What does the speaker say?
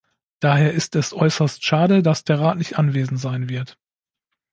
Daher ist es äußerst schade, dass der Rat nicht anwesend sein wird.